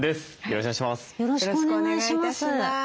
よろしくお願いします。